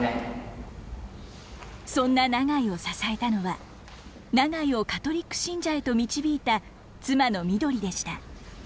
そんな永井を支えたのは永井をカトリック信者へと導いた妻の緑でした。